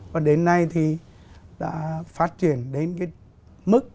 và đến nay thì đã phát triển đến mức